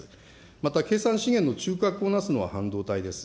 また、計算資源の中核をなすのは半導体です。